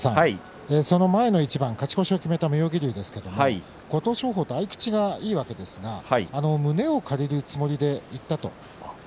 前の一番、勝ち越しを決めた妙義龍ですが琴勝峰と合い口がいいわけですが胸を借りるつもりでいったと。